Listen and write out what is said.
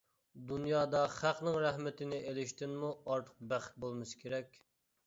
دۇنيادا خەقنىڭ رەھمىتىنى ئېلىشتىنمۇ ئارتۇق بەخت بولمىسا كېرەك.